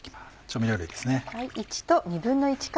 調味料類ですね。